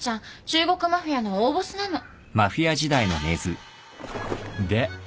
中国マフィアの大ボスなの。